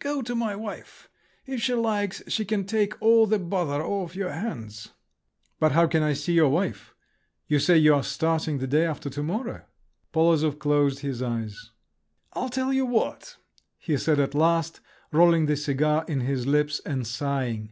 "Go to my wife. If she likes, she can take all the bother off your hands." "But how can I see your wife? You say you are starting the day after to morrow?" Polozov closed his eyes. "I'll tell you what," he said at last, rolling the cigar in his lips, and sighing.